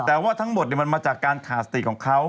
แต่ว่าทั้งหมดมันมาจากการขาดสติของเขา